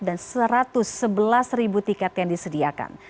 dan satu ratus sebelas tiket yang disediakan